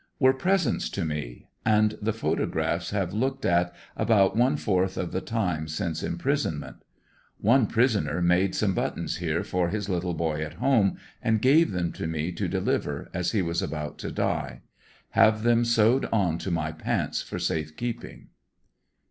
Were presents to me, and the photographs have looked at about one fourth of the time since imprisonment. One prisoner 86 ANDEBSONVILLE DIARY. made some buttons here for his little boy at home, and gave them to me to deliver, as he was about to die. Have them sewed on to my pants for safe keeping.